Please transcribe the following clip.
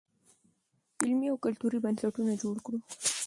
علمي او کلتوري بنسټونه جوړ کړو.